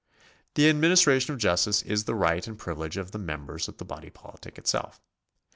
The adminis tration of justice is the right and privilege of the members of the body politic itself.